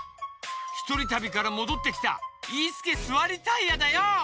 ひとりたびからもどってきたイースケ・スワリタイヤだよ！